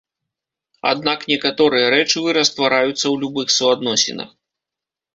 Аднак некаторыя рэчывы раствараюцца ў любых суадносінах.